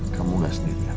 kamu gak sendirian